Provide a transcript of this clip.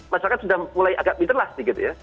masyarakat sudah mulai agak biterlah sedikit ya